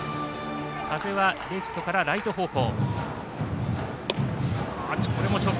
風はレフトからライト方向。